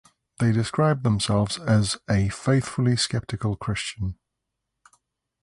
They describe themselves as "a faithfully skeptical Christian".